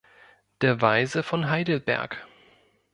Der Weise von Heidelberg.